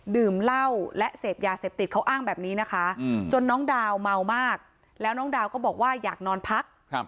ดื่มเหล้าและเสพยาเสพติดเขาอ้างแบบนี้นะคะจนน้องดาวเมามากแล้วน้องดาวก็บอกว่าอยากนอนพัก